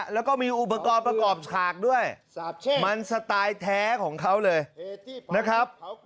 แล้วก็มีอุปกรณ์ประกอบฉากด้วยมันสไตล์แท้ของเขาเลยนะครับ